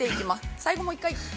最後、もう一回。